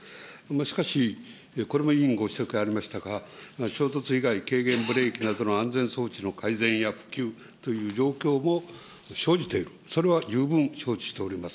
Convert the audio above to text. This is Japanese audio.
しかし、これも委員ご指摘ありましたが、衝突以外軽減ブレーキなどの安全装置の改善や普及という状況も生じている、それは十分承知しております。